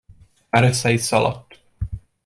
Már össze is szaladt!